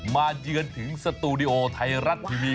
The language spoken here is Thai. เยือนถึงสตูดิโอไทยรัฐทีวี